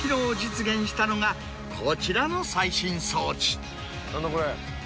こちらの最新装置。